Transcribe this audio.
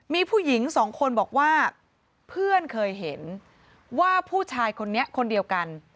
มีผู้หญิงสองคนบอกว่าเพื่อนเคยเห็นว่าผู้ชายคนนี้คนเดียวกัน